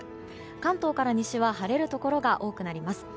関東から西は晴れるところが多くなります。